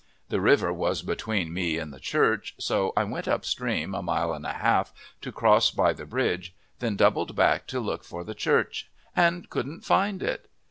The river was between me and the church, so I went up stream, a mile and a half, to cross by the bridge, then doubled back to look for the church, and couldn't find it!